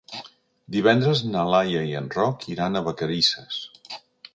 Divendres na Laia i en Roc iran a Vacarisses.